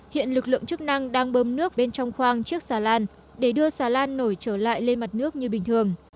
hiện lực lượng chức năng đang bơm nước bên trong khoang chiếc xà lan để đưa xà lan nổi trở lại lên mặt nước như bình thường